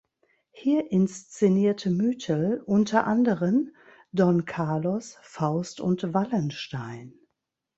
Hier inszenierte Müthel unter anderen "Don Carlos", "Faust" und "Wallenstein".